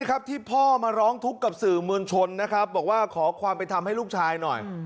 ครับที่พ่อมาร้องทุกข์กับสื่อมวลชนนะครับบอกว่าขอความเป็นธรรมให้ลูกชายหน่อย